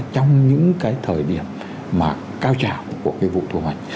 trong những cái thời điểm mà cao trào của cái vụ thu hoạch